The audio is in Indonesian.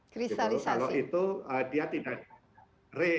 kalau itu dia tidak re